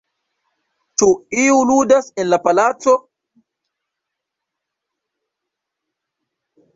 Ĉu iu ludas en la palaco?